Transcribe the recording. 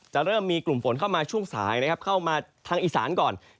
จะเริ่มมีกลุ่มฝนทางอีสานเข้ามาช่วงสาย